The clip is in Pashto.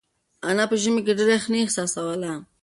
انا په ژمي کې ډېره یخنۍ احساسوله.